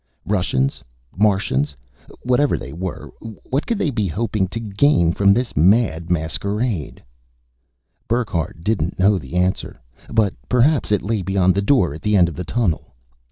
Russians? Martians? Whatever they were, what could they be hoping to gain from this mad masquerade? Burckhardt didn't know the answer but perhaps it lay beyond the door at the end of the tunnel.